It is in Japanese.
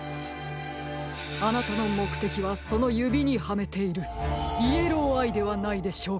あなたのもくてきはそのゆびにはめているイエローアイではないでしょうか？